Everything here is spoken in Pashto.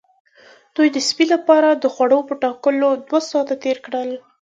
دوی د سپي لپاره د خوړو په ټاکلو دوه ساعته تیر کړل